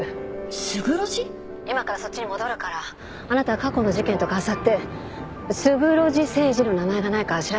今からそっちに戻るからあなたは過去の事件とかあさって「スグロジセイジ」の名前がないか調べといて。